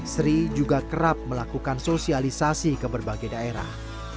sri juga kerap melakukan sosialisasi ke berbagai daerah